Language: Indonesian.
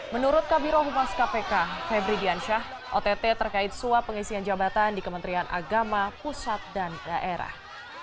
menurut kabiro humas kpk febri diansyah ott terkait suap pengisian jabatan di kementerian agama pusat dan daerah